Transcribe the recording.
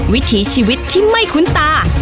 วิถีชีวิตที่ไม่คุ้นตา